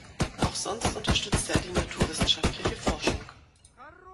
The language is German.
Auch sonst unterstützte er die naturwissenschaftliche Forschung.